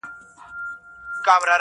چي بیا ورته بیتونه نور هم